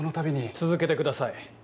続けてください。